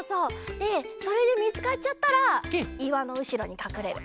でそれでみつかっちゃったらいわのうしろにかくれる。